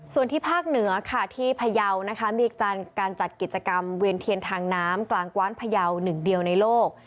ส่วนที่ภาคเหนือพระเยามีการจัดกิจกรรมเวียนเถียนทางน้ำกลางกว้านพระเยา๑ดีลในโลก